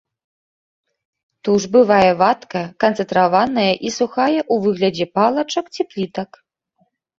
Туш бывае вадкая, канцэнтраваная і сухая ў выглядзе палачак ці плітак.